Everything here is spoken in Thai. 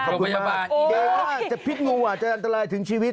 เดี๋ยวว่าจะพิษงูอาจจะอันตรายถึงชีวิต